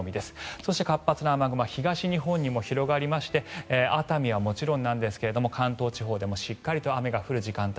そして活発な雨雲は東日本にも広がりまして熱海はもちろんですが関東地方でもしっかりと雨が降る時間帯